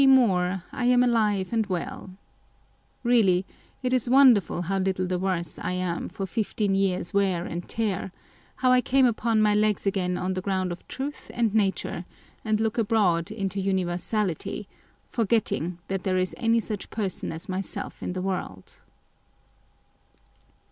Moore, I am alive and well â€" Really, it is wonderful how little the worse I am for fifteen years' wear and tear, how I came upon my legs again on the ground of truth and nature, and " look abroad into universality,' ' forgetting that there is any such person as myself in the world